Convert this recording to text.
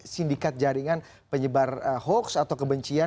sindikat jaringan penyebar hoax atau kebencian